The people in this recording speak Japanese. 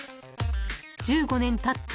［１５年たった